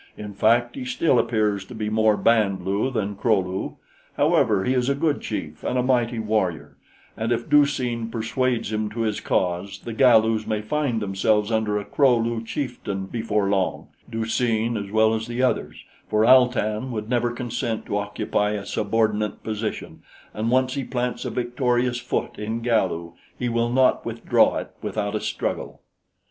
In fact, he still appears to be more Band lu than Kro lu. However, he is a good chief and a mighty warrior, and if Du seen persuades him to his cause, the Galus may find themselves under a Kro lu chieftain before long Du seen as well as the others, for Al tan would never consent to occupy a subordinate position, and once he plants a victorious foot in Galu, he will not withdraw it without a struggle."